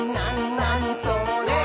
なにそれ？」